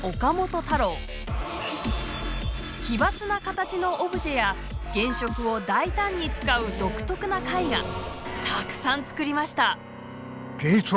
奇抜な形のオブジェや原色を大胆に使う独特な絵画たくさんつくりました。